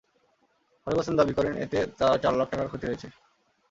ফারুক হোসেন দাবি করেন, এতে তাঁর চার লাখ টাকার ক্ষতি হয়েছে।